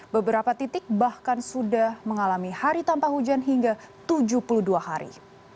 beberapa titik bahkan sudah mengalami hari tanpa hujan hingga tujuh puluh dua hari